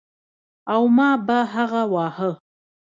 او ما به هغه واهه.